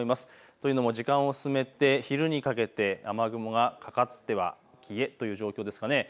というのも時間を進めて昼にかけて雨雲がかかっては消えという状況ですかね。